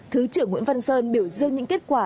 thứ trưởng nguyễn văn sơn biểu dương những kết quả